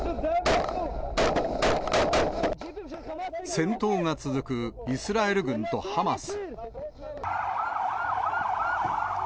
戦闘が続く、イスラエル軍とハマス。